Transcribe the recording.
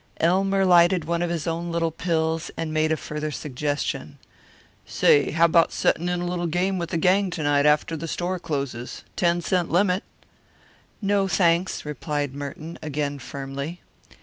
Elmer lighted one of his own little pills and made a further suggestion. "Say, how about settin' in a little game with the gang to night after the store closes ten cent limit?" "No, thanks," replied Merton, again firmly.